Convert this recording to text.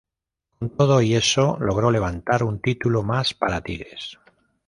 Con todo y eso, logró levantar un título más para Tigres.